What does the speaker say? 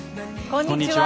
こんにちは。